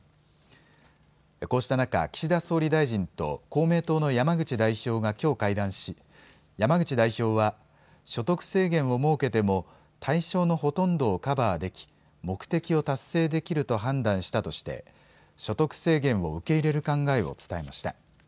こうした中、岸田総理大臣と公明党の山口代表がきょう会談し山口代表は所得制限を設けても対象のほとんどをカバーでき目的を達成できると判断したとして所得制限を受け入れる考えを伝えました。